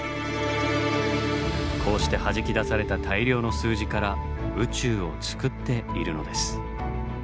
こうしてはじき出された大量の数字から宇宙を作っているのです。